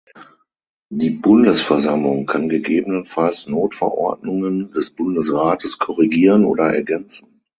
Die Bundesversammlung kann gegebenenfalls Notverordnungen des Bundesrates korrigieren oder ergänzen.